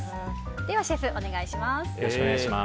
ではシェフ、お願いします。